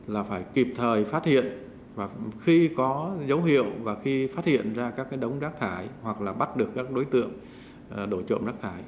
là phải kịp thời phát hiện và khi có dấu hiệu và khi phát hiện ra các đống rác thải hoặc là bắt được các đối tượng đổi trộm rác thải